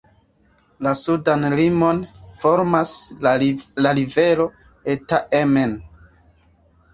La sudan limon formas la rivero Eta Emme.